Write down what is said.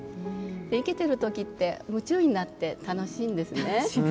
生けてる時って夢中になって楽しいんですね。